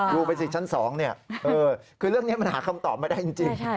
ดูไปสิชั้น๒คือเรื่องนี้มันหาคำตอบไม่ได้จริง